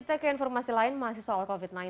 kita ke informasi lain masih soal covid sembilan belas